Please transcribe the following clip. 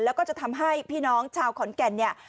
แล้วก็จะทำให้พี่น้องชาวขอนแก่นเนี่ย